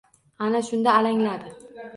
Ana shunda alangladi.